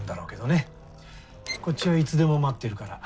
こっちはいつでも待ってるから。